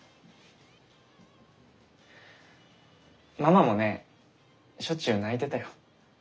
ママもねしょっちゅう泣いてたよ。